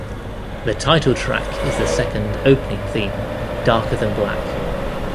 The title track is the second opening theme "Darker than Black".